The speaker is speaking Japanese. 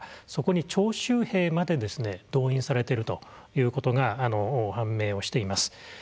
そこに徴集兵まで動員されているということが判明をしています。